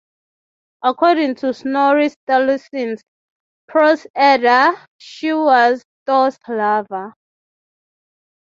According to Snorri Sturluson's "Prose Edda", she was Thor's lover.